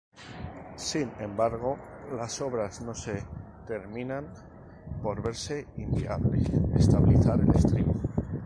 Sin embargo las obras no se terminan por verse inviable estabilizar el estribo.